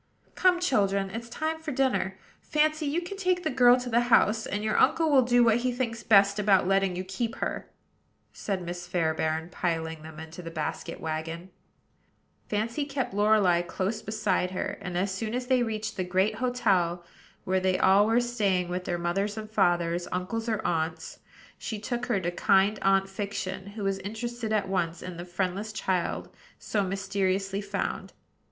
"Come, children; it's time for dinner. Fancy, you can take the girl to the house; and your uncle will do what he thinks best about letting you keep her," said Miss Fairbairn, piling them into the basket wagon. Fancy kept Lorelei close beside her; and as soon as they reached the great hotel, where they all were staying with mothers and fathers, uncles or aunts, she took her to kind Aunt Fiction, who was interested at once in the friendless child so mysteriously found.